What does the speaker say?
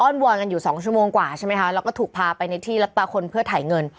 วอนกันอยู่สองชั่วโมงกว่าใช่ไหมคะแล้วก็ถูกพาไปในที่รับตาคนเพื่อถ่ายเงิน